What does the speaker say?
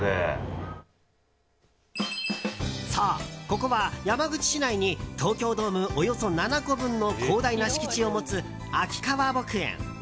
そう、ここは山口市内に東京ドームおよそ７個分の広大な敷地を持つ、秋川牧園。